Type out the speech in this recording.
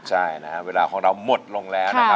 ใช่เวลาของเราหมดลงแล้ว